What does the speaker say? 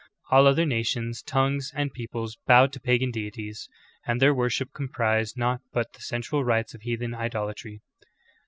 All other nations, tongues, and peoples, bowed to pagan deities, and their worship comprised nought but the sensual rites of heathen idolatry.